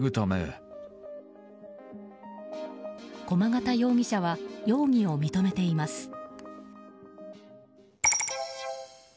駒形容疑者は容疑を認めています。